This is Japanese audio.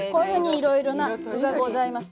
いろいろな具がございます。